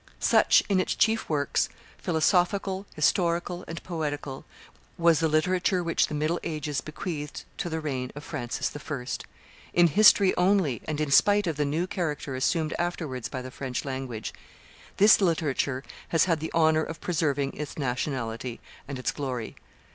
Such, in its chief works, philosophical, historical, and poetical, was the literature which the middle ages bequeathed to the reign of Francis I. In history only, and in spite of the new character assumed afterwards by the French language, this literature has had the honor of preserving its nationality and its glory.